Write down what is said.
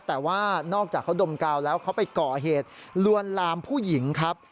แต่ว่านอกจากเขาดมกาวแล้วเขาไปก่อเหตุลวนลามผู้หญิงครับ